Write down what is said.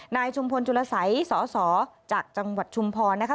ชุมพลจุลสัยสสจากจังหวัดชุมพรนะคะ